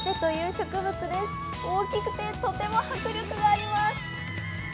大きくてとても迫力があります。